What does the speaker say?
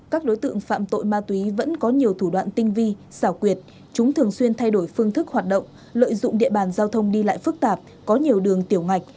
các đối tượng mua bán trái phép chất ma túy vẫn có nhiều thủ đoạn tinh vi xảo quyệt chúng thường xuyên thay đổi phương thức hoạt động lợi dụng địa bàn giao thông đi lại phức tạp có nhiều đường tiểu ngạch